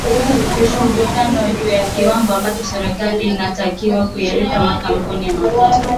huku kukiwepo mivutano juu ya kiwango ambacho serikali inatakiwa kuyalipa makampuni ya mafuta